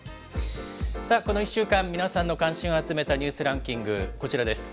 この１週間、皆さんの関心を集めたニュースランキング、こちらです。